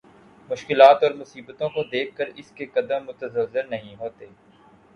مشکلات اور مصیبتوں کو دیکھ کر اس کے قدم متزلزل نہیں ہوتے